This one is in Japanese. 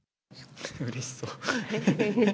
うれしそう。